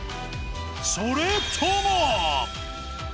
それとも。